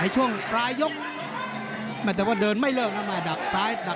ในช่วงลายกส์แต่ว่าเดินไม่เริ่มแล้ว